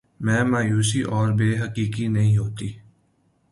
میں مایوسی اور بے یقینی نہیں ہوتی